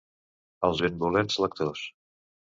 Als benvolents lectors.